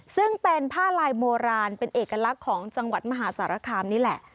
ซึ่งเป็นผ้าลายโบราณเป็นเอกลักษณ์ของจังหวัดมหาสารคามนี่แหละ